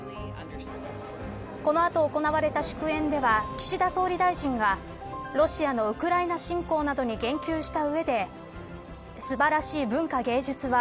この後、行われた祝宴では岸田総理大臣が、ロシアのウクライナ侵攻などに言及した上で素晴らしい文化芸術は